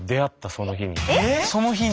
その日に。